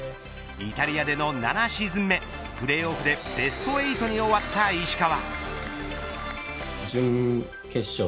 イタリアでの７シーズン目プレーオフでベスト８に終わった石川。